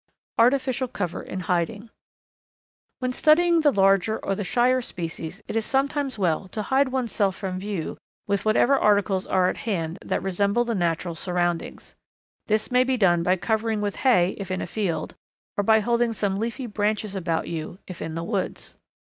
Artificial Cover in Hiding. When studying the larger or the shyer species it is sometimes well to hide one's self from view with whatever articles are at hand that resemble the natural surroundings. This may be done by covering with hay if in a field, or by holding some leafy branches about you if in the woods.